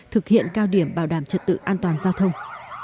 thực hiện cao điểm bảo đảm trật tự an toàn giao thông